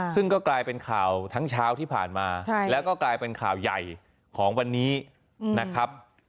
ซึ่งก็กลายเป็นข่าวทั้งเช้าที่ผ่านมาแล้วก็กลายเป็นข่าวใหญ่ของวันนี้นะครับ